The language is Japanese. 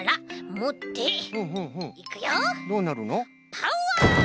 パワー！